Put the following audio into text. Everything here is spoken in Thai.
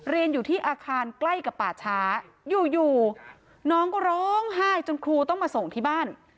เรียนอยู่ที่อาคารใกล้กับป่าช้าอยู่น้องก็ร้องไห้จนครูต้องมาส่งที่บ้าน